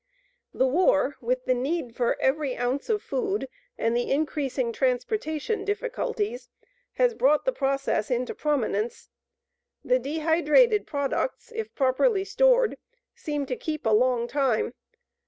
The war, with the need for every ounce of food and the increasing transportation difficulties, has brought the process into prominence. The dehydrated products, if properly stored, seem to keep a long time.